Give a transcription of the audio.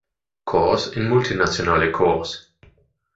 Korps in multinationale Korps.